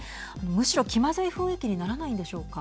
むしろ、気まずい雰囲気にならないんでしょうか。